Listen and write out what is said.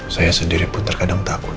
saya sendiri pun terkadang takut